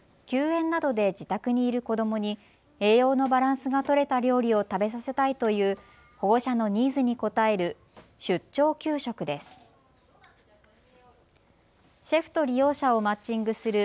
休園などで自宅にいる子どもに栄養のバランスがとれた料理を食べさせたいという保護者のニーズに応える出張給食です。